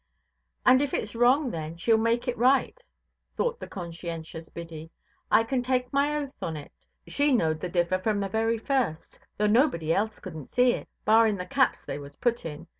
"And if itʼs wrong, then, sheʼll make it right", thought the conscientious Biddy. "I can take my oath onʼt she knowed the differ from the very first; though nobody else couldnʼt see it, barring the caps they was put in.